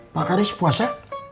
pak karis puasa